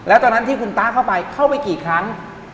แล้วตอนนั้นที่คุณตาเข้าไปเข้าไปกี่ครั้ง